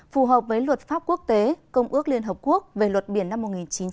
phù hợp với luật pháp quốc tế công ước liên hợp quốc về luật biển năm một nghìn chín trăm tám mươi hai